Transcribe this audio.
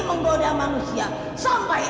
menggoda manusia sampai